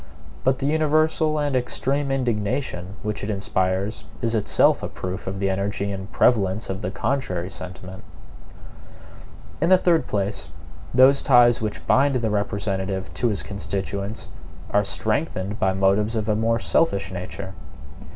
But the universal and extreme indignation which it inspires is itself a proof of the energy and prevalence of the contrary sentiment. In the third place, those ties which bind the representative to his constituents are strengthened by motives of a more selfish nature.